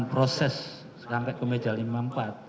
proses sampai ke meja lima puluh empat